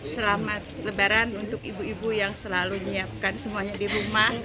selamat lebaran untuk ibu ibu yang selalu menyiapkan semuanya di rumah